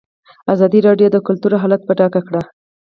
ازادي راډیو د کلتور حالت په ډاګه کړی.